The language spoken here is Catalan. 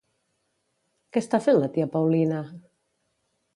Què està fent la tia Paulina?